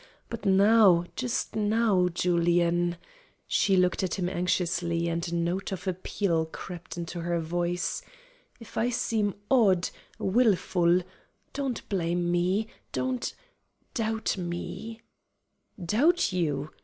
But now just now, Julian" she looked at him anxiously, and a note of appeal crept into her voice "if I seem odd, wilful, don't blame me, don't doubt me" "Doubt you?"